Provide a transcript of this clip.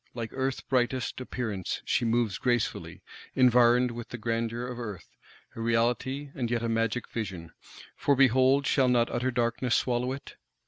Like Earth's brightest Appearance, she moves gracefully, environed with the grandeur of Earth: a reality, and yet a magic vision; for, behold, shall not utter Darkness swallow it!